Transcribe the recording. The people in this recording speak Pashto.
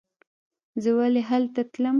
زه ولې هلته تلم.